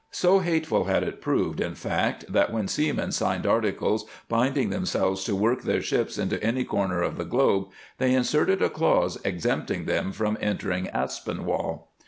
So hateful had it proved, in fact, that when seamen signed articles binding themselves to work their ships into any corner of the globe they inserted a clause exempting them from entering Aspinwall.